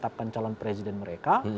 akan calon presiden mereka